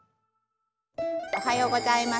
おはようございます。